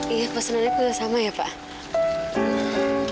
iya pesenannya bisa sama ya pak